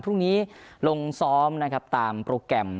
พรุ่งนี้ลงซ้อมนะครับตามโปรแกรม